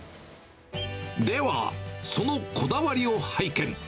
では、そのこだわりを拝見。